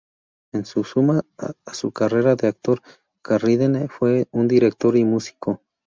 En suma a su carrera de actor, Carradine fue un director y músico.